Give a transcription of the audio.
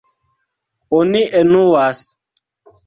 Oni enuas.